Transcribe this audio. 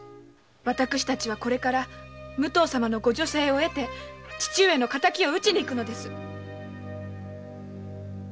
私たちはこれから武藤様のご助勢を得て父上の敵を討ちに行くのです！